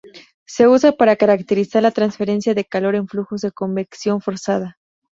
Se usa para caracterizar la transferencia de calor en flujos de convección forzada.